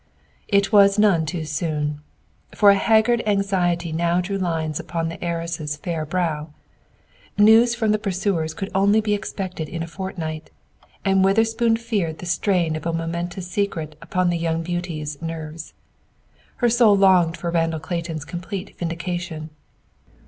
It was none too soon. For a haggard anxiety now drew lines upon the heiress' fair brow. News from the pursuers could only be expected in a fortnight, and Witherspoon feared the strain of a momentous secret upon the young beauty's nerves. Her soul longed for Randall Clayton's complete vindication.